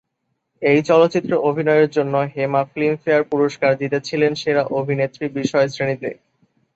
এই চলচ্চিত্রে অভিনয়ের জন্য হেমা ফিল্মফেয়ার পুরস্কার জিতেছিলেন সেরা অভিনেত্রী বিষয়শ্রেণীতে।